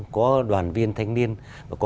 có đoàn viên thanh niên và có